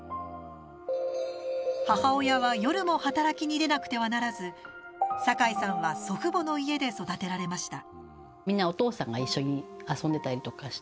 母親は夜も働きに出なくてはならず酒井さんは祖父母の家で育てられました。